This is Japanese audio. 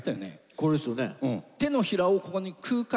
これですよね。